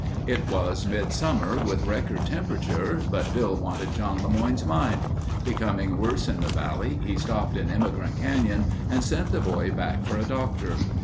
It was midsummer, with record temperature but Bill wanted John LeMoyne's mine. Becoming worse in the valley he stopped in Emigrant Canyon and sent the boy back for a doctor.